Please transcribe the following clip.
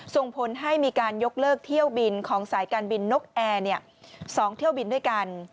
ส่งผลให้มีการยกเลิกเที่ยวบินของสายการบินนกแอร์๒เที่ยวบินด้วยกัน